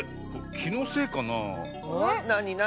きのせいかな？